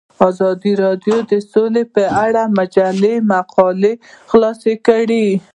ازادي راډیو د سوله په اړه د مجلو مقالو خلاصه کړې.